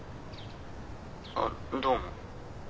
あっどうも。